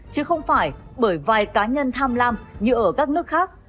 chứ không phải bởi vài cá nhân tham lam như ở các nước khác